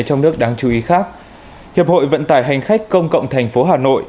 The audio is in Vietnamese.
trong nước đáng chú ý khác hiệp hội vận tải hành khách công cộng tp hà nội